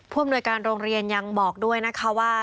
อำนวยการโรงเรียนยังบอกด้วยนะคะว่า